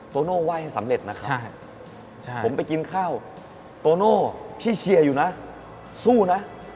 โตโน่ไหว้ให้สำเร็จนะครับผมไปกินข้าวโตโน่พี่เชียร์อยู่นะสู้นะ